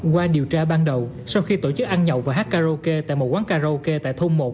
qua điều tra ban đầu sau khi tổ chức ăn nhậu và hát karaoke tại một quán karaoke tại thôn một